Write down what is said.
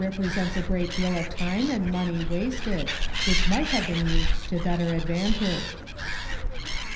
presents a great deal of time and money wasted, which might have been used to better advantage."